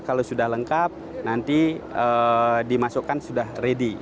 kalau sudah lengkap nanti dimasukkan sudah ready